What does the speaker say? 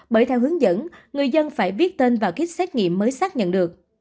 bởi theo hướng dẫn người dân phải viết tên vào kit xét nghiệm mới xác nhận được